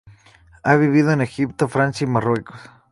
Ha vivido en Egipto, Francia y Marruecos.